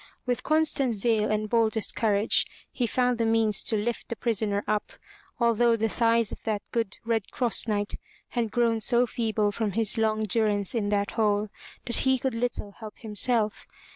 With constant zeal and boldest courage, he found the means to lift the prisoner up, although the thighs of that good Red Cross Knight had grown so feeble from long durance in that hole, that he could little help himself.